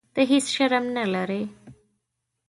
ته هیح شرم نه لرې.